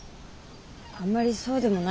あんまりそうでもないですよ。